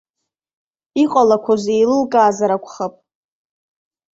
Иҟалақәоз еилылкаазар акәхап.